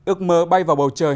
ước mơ bay vào bầu trời